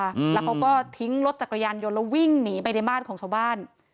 อืมแล้วเขาก็ทิ้งรถจักรยานยนต์แล้ววิ่งหนีไปในบ้านของชาวบ้าน